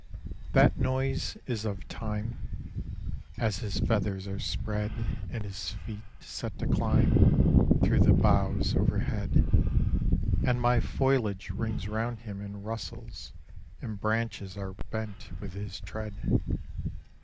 That noise is of Time, As his feathers are spread And his feet set to climb Through the boughs overhead, And my foliage rings round him and rustles, and branches are bent with his tread.